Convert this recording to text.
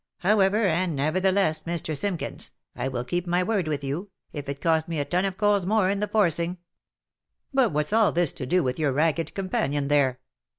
How ever, and nevertheless, Mr. Simkins, I will keep my word with you, if it cost me a ton of coals more in the forcing." " But what's all this to do with your ragged companion there?